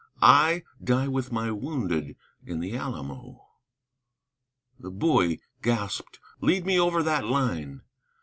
I die with my wounded, in the Alamo." The Bowie gasped, "Lead me over that line!"